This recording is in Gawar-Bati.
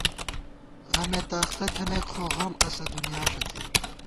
غمےتہ اختہ تھنَئیک خو غم اسہ دُنیا ݭڅی